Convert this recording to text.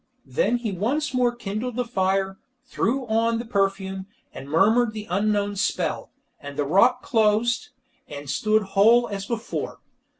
Then he once more kindled the fire, threw on the perfume, and murmured the unknown spell, and the rock closed, and stood whole as before.